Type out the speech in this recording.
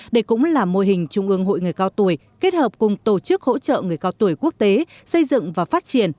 đây cũng là mô hình trung ương hội người cao tuổi kết hợp cùng tổ chức hỗ trợ người cao tuổi quốc tế xây dựng và phát triển